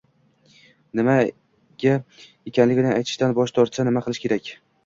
nimaga ekanligini aytishdan bosh tortsa, nima qilish kerak?